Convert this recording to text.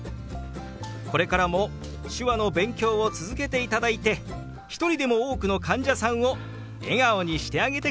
これからも手話の勉強を続けていただいて一人でも多くの患者さんを笑顔にしてあげてくださいね。